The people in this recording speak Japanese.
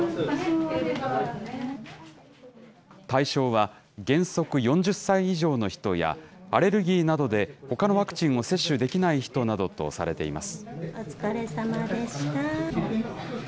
対象は原則４０歳以上の人や、アレルギーなどでほかのワクチンを接種できない人などとされています。